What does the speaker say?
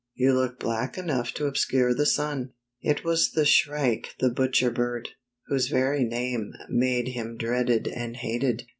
You look black enough to obscure the sun." It was Shrike the Butcher Bird, whose very name made him dreaded and hated.